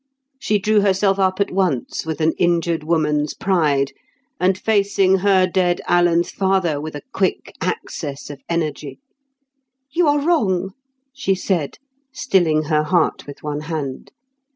She drew herself up at once with an injured woman's pride, and, facing her dead Alan's father with a quick access of energy, "You are wrong," she said, stilling her heart with one hand.